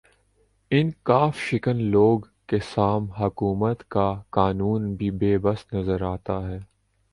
ان ق شکن لوگ کے سام حکومت کا قانون بھی بے بس نظر آتا ہے